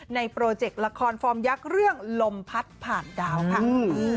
โปรเจกต์ละครฟอร์มยักษ์เรื่องลมพัดผ่านดาวค่ะ